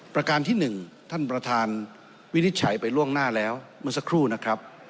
ประการที่๑ท่านประธานวินิจฉัยไปล่วงหน้าแล้วเมื่อสักครู่นะครับ